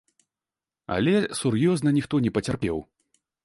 Але сур'ёзна ніхто не пацярпеў.